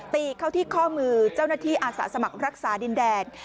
ตีเข้าที่ข้อมือเจ้าหน้าที่อาสาสมัครรักษาดินแดน